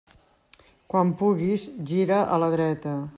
Quan puguis, gira a la dreta.